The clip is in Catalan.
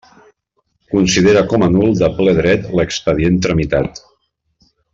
Considera com a nul de ple dret l'expedient tramitat.